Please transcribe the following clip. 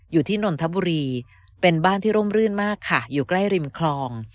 นนทบุรีเป็นบ้านที่ร่มรื่นมากค่ะอยู่ใกล้ริมคลอง